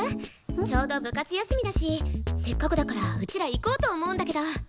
ちょうど部活休みだしせっかくだからうちら行こうと思うんだけど。